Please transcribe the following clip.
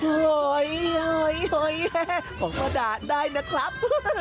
โอ๊ยของป้าดาได้นะครับ